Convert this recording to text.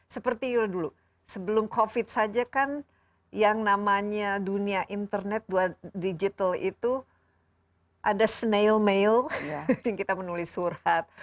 seperti dulu sebelum covid saja kan yang namanya dunia internet buat digital itu ada snail mail yang kita menulis surat